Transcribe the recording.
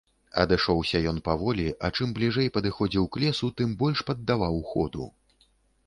Адышоўся ён паволі, а чым бліжэй падыходзіў к лесу, тым больш паддаваў ходу.